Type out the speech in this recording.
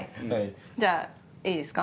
じゃあいいですか？